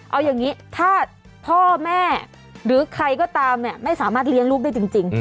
เอาอย่างนี้ถ้าพ่อแม่หรือใครก็ตามเนี่ยไม่สามารถเลี้ยงลูกได้จริง